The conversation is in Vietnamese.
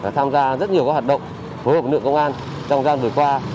tham gia rất nhiều các hoạt động phối hợp lực lượng công an trong gian vừa qua